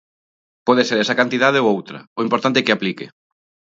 Pode ser esa cantidade ou outra, o importante é que aplique.